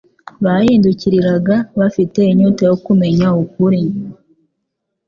bahindukiriraga abafite inyota yo kumenya ukuri.